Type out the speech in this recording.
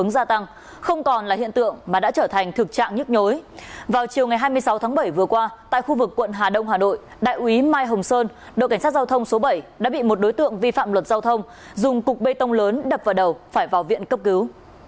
chiều ngày hai mươi sáu tháng bảy vừa qua tại khu vực quận hà đông hà nội đại úy mai hồng sơn đội cảnh sát giao thông số bảy đã bị một đối tượng vi phạm luật giao thông dùng cục bê tông lớn đập vào đầu phải vào viện cấp cứu